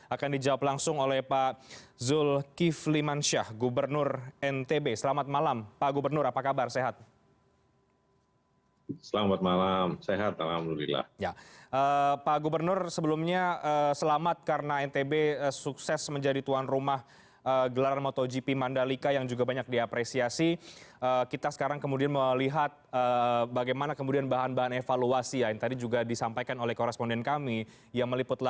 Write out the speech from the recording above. akan dijawab langsung oleh pak zulkif limansyah gubernur ntb selamat malam pak gubernur apa kabar sehat